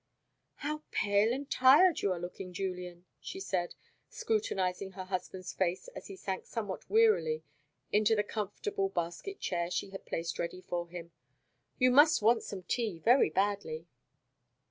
"How pale and tired you are looking, Julian!" she said, scrutinising her husband's face as he sank somewhat wearily into the comfortable basket chair she had placed ready for him; "you must want some tea very badly."